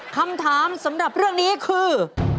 คำถามสำหรับเรื่องนี้คือ